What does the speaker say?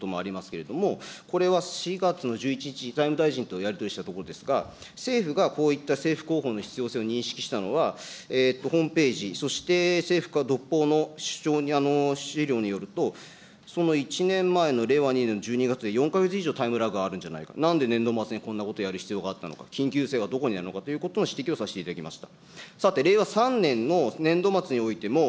、これは４月の１１日、財務大臣とやり取りしたところですが、政府がこういった政府広報の必要性を認識したのは、ホームページ、そして政府か独法の資料によると、その１年前の令和２年の１１月で、４か月以上タイムラグあるんじゃないか、なんで年度末にこんなことやる必要があったのか、緊急性がどこにあるのかということの指摘をさせていただきました。